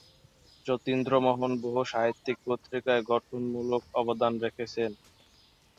যতীন্দ্রমোহন বহু সাহিত্যিক পত্রিকায় গঠনমূলক অবদান রেখেছেন।